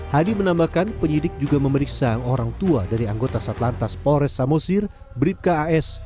hadi menambahkan penyidik juga memeriksa orang tua dari anggota satlantas polres samosir bribka as